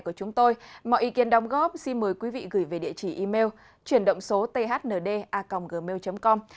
mọi ý kiến đồng góp xin mời quý vị gửi về địa chỉ email chuyển động số thnda gmail com